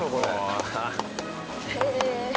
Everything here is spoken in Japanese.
へえ。